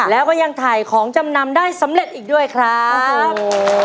แล้วก็ยังถ่ายของจำนำได้สำเร็จอีกด้วยครับ